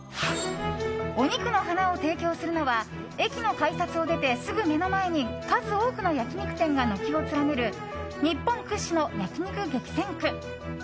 お肉の花を提供するのは駅の改札を出てすぐ目の前に数多くの焼き肉店が軒を連ねる日本屈指の焼き肉激戦区。